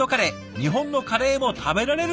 日本のカレーも食べられるんですって！